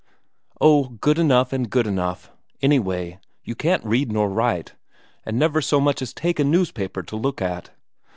"Oh, good enough and good enough.... Anyway, you can't read nor write, and never so much as take a newspaper to look at."